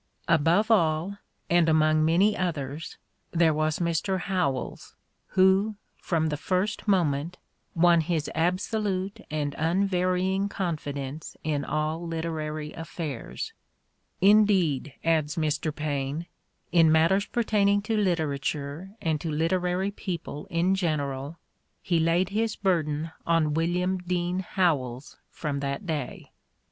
Above all, and among many others, there was Mr. Howells, who, from the first mo ment, "won his absolute and unvarying confidence in all literary affairs": indeed, adds Mr. Paine, "in mat ters pertaining to literature and to literary people in general he laid his burden on William Dean Howells from that day."